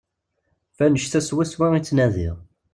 F annect-a swaswa i ttnadiɣ.